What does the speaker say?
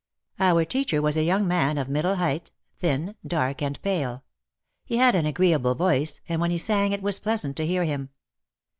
Our teacher was a young man of middle height, thin, dark and pale. He had an agree able voice, and when he sang it was pleasant to hear him.